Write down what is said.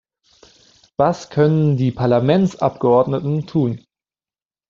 Was können die Parlamentsabgeordneten tun?